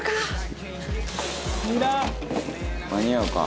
「間に合うか？」